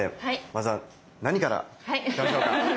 まずは何からいきましょうか。